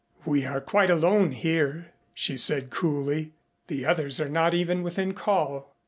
"We are quite alone here," she said coolly. "The others are not even within call.